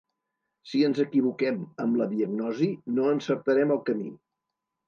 Si ens equivoquem amb la diagnosi no encertarem el camí.